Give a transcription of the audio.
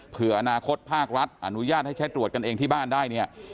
อนาคตภาครัฐอนุญาตให้ใช้ตรวจกันเองที่บ้านได้เนี่ย